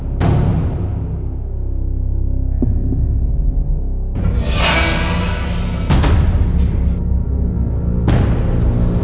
โอเคครับ